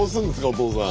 お父さん。